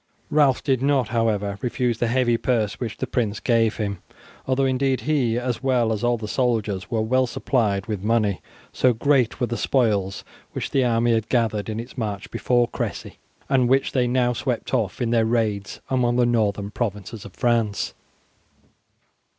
Ralph did not, however, refuse the heavy purse which the prince gave him, although indeed he, as well as all the soldiers, was well supplied with money, so great were the spoils which the army had gathered in its march before Cressy, and which they now swept off in their raids among the northern provinces of France.